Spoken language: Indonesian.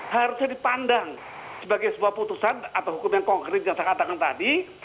harusnya dipandang sebagai sebuah putusan atau hukum yang konkret yang saya katakan tadi